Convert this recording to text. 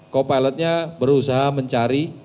co pilotnya berusaha mencari